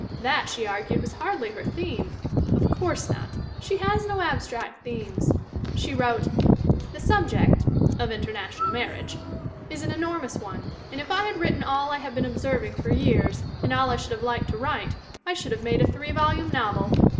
That, she argued, was hardly her theme. Of course not. She has no abstract themes. She wrote: "The subject (of international marriage) is an enormous one, and if I had written all I have been observing for years and all I should have liked to write I should have made a three volume novel.